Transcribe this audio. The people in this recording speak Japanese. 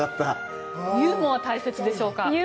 ユーモア大切でしょうか。